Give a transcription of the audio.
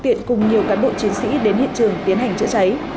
tiện cùng nhiều cán bộ chiến sĩ đến hiện trường tiến hành chữa cháy